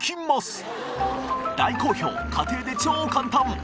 大好評家庭で超簡単！